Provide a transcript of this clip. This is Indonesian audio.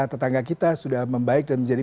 tetangga kita sudah membaik dan menjadi